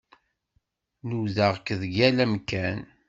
Nudaɣ-k deg yal amkan.